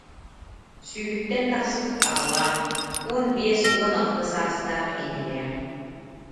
Сүүһүттэн тахсыбыт аҕалаах, уон биэс-уон алта саастаах инилээх